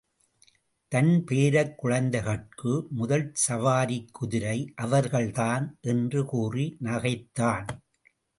தன் பேரக் குழந்தைகட்கு முதல் சவாரிக் குதிரை அவர்கள்தான் — என்று கூறி நகைத்தான்.